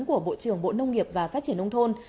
của bộ trưởng bộ nông nghiệp và phát triển nông thôn